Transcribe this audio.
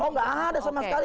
oh nggak ada sama sekali